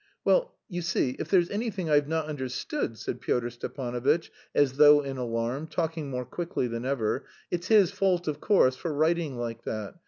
"Well, you see, if there's anything I've not understood," said Pyotr Stepanovitch, as though in alarm, talking more quickly than ever, "it's his fault, of course, for writing like that.